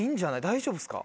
大丈夫ですか？